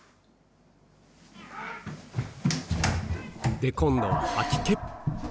で、今度は吐き気。